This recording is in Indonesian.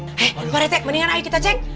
eh pak rt mendingan ayo kita cek